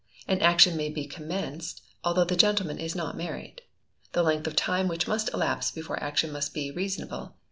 An action may be commenced although the gentleman is not married. The length of time which must elapse before action must be reasonable.